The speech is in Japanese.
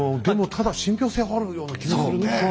でもただ信憑性あるような気がするねえ。